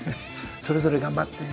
「それぞれ頑張って」って。